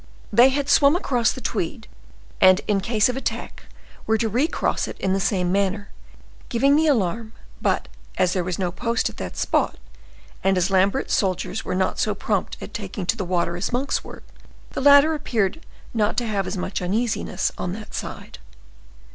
They had swum across the Tweed, and, in case of attack, were to recross it in the same manner, giving the alarm; but as there was no post at that spot, and as Lambert's soldiers were not so prompt at taking to the water as Monk's were, the latter appeared not to have as much uneasiness on that side.